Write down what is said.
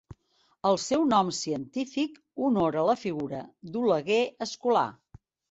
El seu nom científic honora la figura d'Oleguer Escolà.